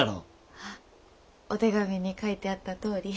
あお手紙に書いてあったとおり。